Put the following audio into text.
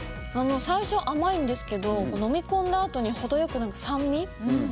最初甘いんですけど飲み込んだあとに程良く酸味がきて。